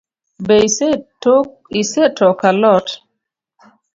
Be isetoko alot?